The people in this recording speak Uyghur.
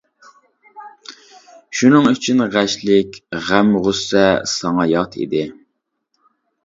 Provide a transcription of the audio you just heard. شۇنىڭ ئۈچۈن غەشلىك، غەم-غۇسسە ساڭا يات ئىدى.